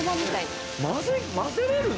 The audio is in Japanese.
混ぜれるの？